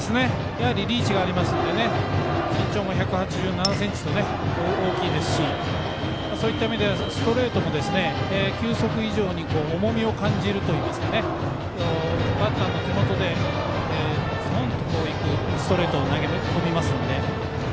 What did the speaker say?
リーチがありますので身長も１８４ｃｍと大きいですしそういった意味ではストレートも球速以上に重みを感じるといいますかバッターの手元でスポンといくストレートを投げ込みますので。